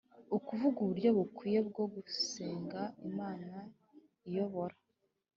ukuvuga uburyo bukwiriye bwo gusenga Imana iyobora